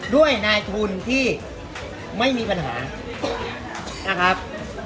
ด้วยนายทุนที่ไม่มีปัญหานะครับ